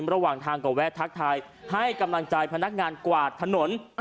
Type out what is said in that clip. ระหว่างทางก็แวะทักทายให้กำลังใจพนักงานกวาดถนน